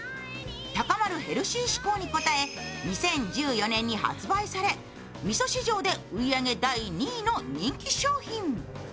高まるヘルシー志向に応え２０１４年に発売されみそ市場で売り上げ第２位の人気商品。